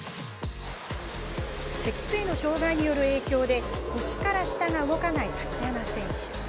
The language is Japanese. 脊椎の障がいによる影響で腰から下が動かないタチアナ選手。